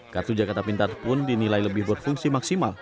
kartu jakarta pintar pun dinilai lebih berfungsi maksimal